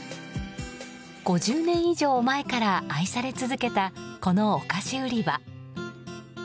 ５０年以上前から愛され続けたこのお菓子売り場。